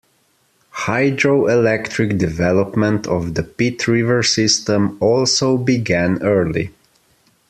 Hydroelectric development of the Pit River system also began early.